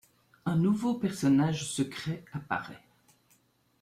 Un nouveau personnage secret apparaît.